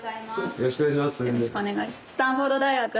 よろしくお願いします。